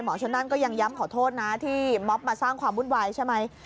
ชนนั่นก็ยังย้ำขอโทษนะที่ม็อบมาสร้างความวุ่นวายใช่ไหม